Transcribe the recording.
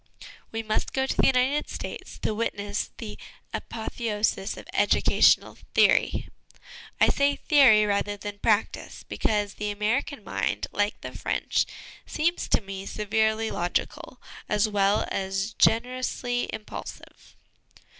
1 We must go to the United States to witness the apotheosis of educational theory ; I say theory rather than practice, because the American mind, like the French, seems to me severely logical as well as generously impulsive.